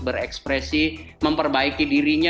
berekspresi memperbaiki dirinya